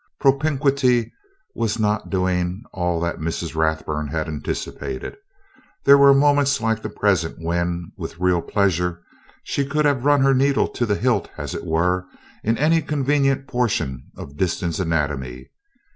Propinquity was not doing all that Mrs. Rathburn had anticipated. There were moments like the present when, with real pleasure, she could have run her needle to the hilt, as it were, in any convenient portion of Disston's anatomy.